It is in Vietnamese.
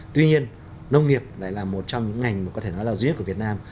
tuy nhiên nông nghiệp lại là một trong những ngành duy nhất của việt nam